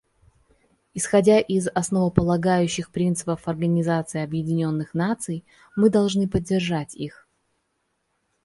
Исходя из основополагающих принципов Организации Объединенных Наций, мы должны поддержать их.